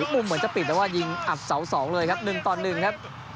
มันจะปิดแต่ว่ายิงอัพเสา๒เลยครับ๑ตอน๑ครับ